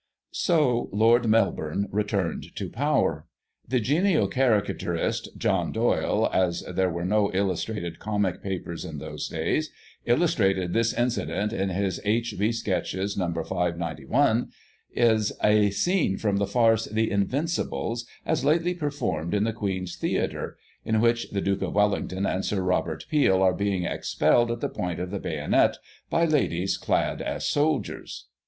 So Lord Melbourne returned to power. The genial Caricaturist John Doyle, as there were no illus trated comic papers in those days, illustrated this incident in his H. B. Sketches. No. 591 is "A Scene from the farce of The Invincibles, as lately performed in the Queen's Theatre "— in which the Duke oif Wellington and Sir Robert Peel are being expelled at the point of the bayonet, by ladies clad as soldiers.